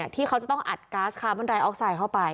ที่เขาจะต้องอัดก๊าซคาร์บอนไดออกไซด์เข้าไป